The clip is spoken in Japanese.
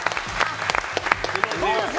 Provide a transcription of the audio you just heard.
どうですか？